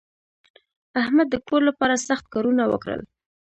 احمد د کور لپاره سخت کارونه وکړل.